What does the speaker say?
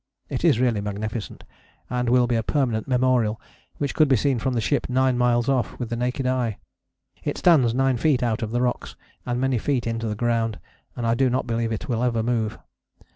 It is really magnificent, and will be a permanent memorial which could be seen from the ship nine miles off with a naked eye. It stands nine feet out of the rocks, and many feet into the ground, and I do not believe it will ever move.